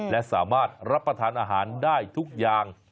และสามารถรับประทานอาหารได้ทุกอย่าง